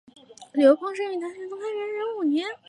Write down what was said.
刘怦生于唐玄宗开元十五年。